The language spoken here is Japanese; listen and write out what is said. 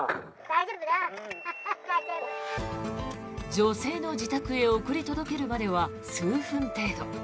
女性の自宅へ送り届けるまでは数分程度。